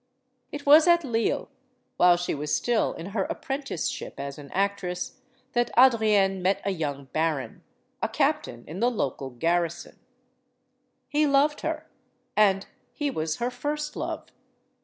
It was at Lille, while she was still in her apprentice ship as an actress, that Adrienne met a young baron; a captain in the local garrison. He loved her, and he was her first love.